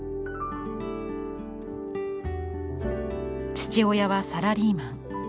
父親はサラリーマン。